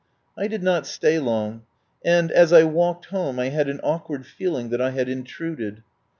I did not stay long, and, as I walked home, I had an awkward feeling that I had intruded.